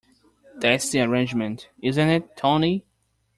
That's the arrangement, isn't it, Tony?